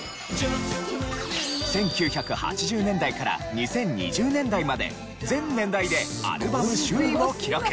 １９８０年代から２０２０年代まで全年代でアルバム首位を記録。